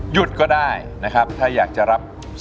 ก็ได้นะครับถ้าอยากจะรับ